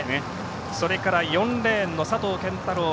それから４レーン、佐藤拳太郎。